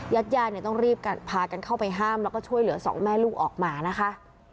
ญาติญาติเนี่ยต้องรีบพากันเข้าไปห้ามแล้วก็ช่วยเหลือสองแม่ลูกออกมานะคะ